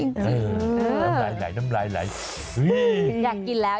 น้ำลายไหลน้ำลายไหล